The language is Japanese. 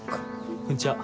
こんちは。